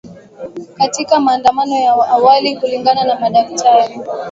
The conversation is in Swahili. katika maandamano ya awali kulingana na madaktari